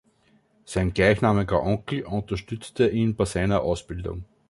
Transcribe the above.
Sein gleichnamiger Onkel unterstützte ihn bei seiner Ausbildung.